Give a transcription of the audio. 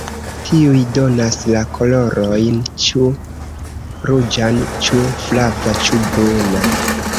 Tiuj donas la kolorojn ĉu ruĝan ĉu flava ĉu bruna.